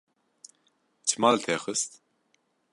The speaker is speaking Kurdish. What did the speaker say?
Çima li te xist?